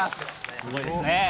すごいですね。